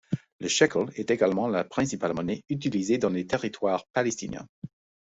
Le shekel est également la principale monnaie utilisée dans les Territoires palestiniens.